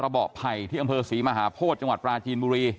เบาะไผ่ที่อำเภอศรีมหาโพธิจังหวัดปราจีนบุรี